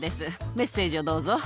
メッセージをどうぞ。